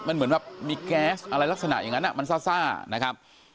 มันเหมือนแบบมีแก๊สอะไรลักษณะอย่างนั้นมันซ่านะครับ